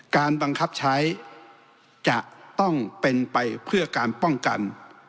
การบังคับใช้จะต้องเป็นไปเพื่อการป้องกัน